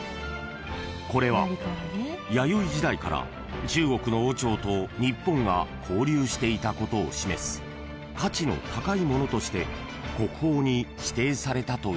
［これは弥生時代から中国の王朝と日本が交流していたことを示す価値の高いものとして国宝に指定されたといいます］